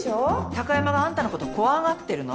貴山があんたのこと怖がってるの。